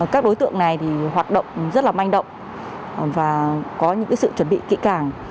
các đối tượng này hoạt động rất là manh động và có những sự chuẩn bị kỹ càng